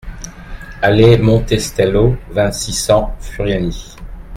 Allée Monte Stello, vingt, six cents Furiani